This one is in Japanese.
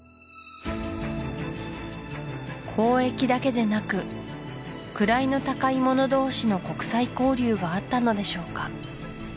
交易だけでなく位の高い者同士の国際交流があったのでしょうか？